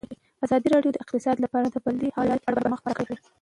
ازادي راډیو د اقتصاد لپاره د بدیل حل لارې په اړه برنامه خپاره کړې.